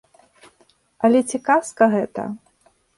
Але ці казка гэта?